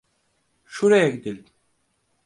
Şuraya gidelim.